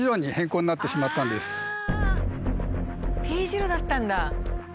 Ｔ字路だったんだ。